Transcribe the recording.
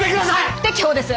不適法です！